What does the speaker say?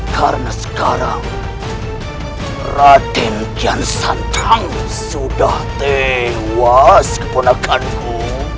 karena sekarang raden kian santang sudah tewas keponakanku